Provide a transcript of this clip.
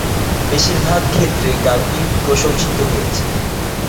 বেশিরভাগ ক্ষেত্রেই গানটি প্রশংসিত হয়েছে।